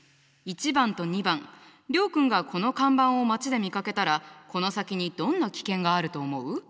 １番と２番諒君がこの看板を街で見かけたらこの先にどんな危険があると思う？